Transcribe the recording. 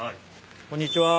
こんにちは。